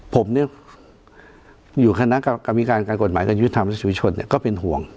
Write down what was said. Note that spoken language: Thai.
ผมเนี่ยอยู่คณะกรมิการการกฎหมายการยุทธ์ธรรมชาติวิชชนก็เป็นห่วง